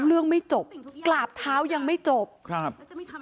เรื่องไม่จบกราบเท้ายังไม่จบครับ